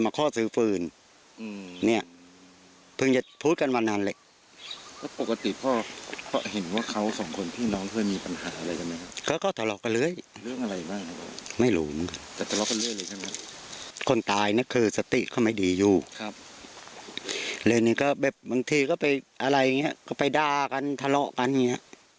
บางทีก็ไปอะไรอย่างนี้ก็ไปด้ากันทะเลาะกันอย่างนี้